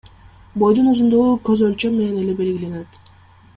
Бойдун узундугу көз өлчөм менен эле белгиленет.